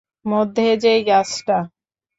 মধ্যে যেই গাছটা।